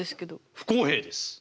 不公平です！